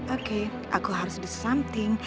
oke aku harus do something